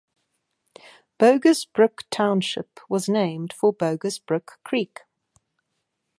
Bogus Brook Township was named for Bogus Brook creek.